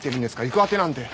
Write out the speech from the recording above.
行く当てなんて。